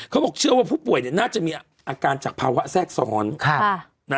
บอกเชื่อว่าผู้ป่วยน่าจะมีอาการจากภาวะแทรกซ้อน